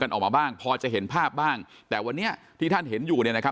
ออกมาบ้างพอจะเห็นภาพบ้างแต่วันนี้ที่ท่านเห็นอยู่เนี่ยนะครับ